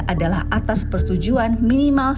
adalah atas persetujuan minimal